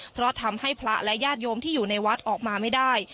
เพราะทำให้พระและญาติโยมที่อยู่ในวัดออกมาไม่ได้